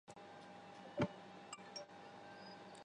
盛世才还将其子恭本德吉特推上汗位。